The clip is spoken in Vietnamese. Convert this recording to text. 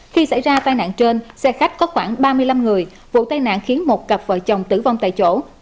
khi xảy ra tai nạn trên xe khách có khoảng ba mươi năm người vụ tai nạn khiến một cặp vợ chồng tử vong tại chỗ